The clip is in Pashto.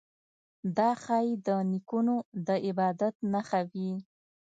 دا ښايي د نیکونو د عبادت نښه وي.